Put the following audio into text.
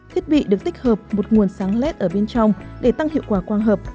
thiết bị được tích hợp một nguồn sáng led ở bên trong để tăng hiệu quả quang hợp